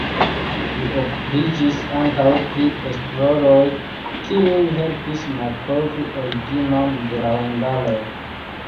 Li okupiĝis ankaŭ pri esploroj, kiuj helpis malkovri originon de la hungaroj.